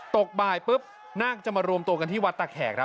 ตกบ่ายปุ๊บนาคจะมารวมตัวกันที่วัดตะแขกครับ